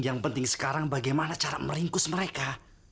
yang penting sekarang bagaimana cara meringkus mereka